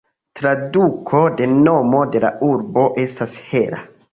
Traduko de nomo de la urbo estas "hela".